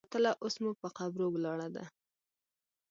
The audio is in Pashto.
مونږ ساتله اوس مو په قبرو ولاړه ده